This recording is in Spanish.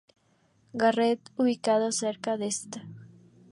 Garrett, ubicado cerca de St.